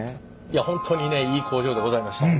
いや本当にねいい工場でございました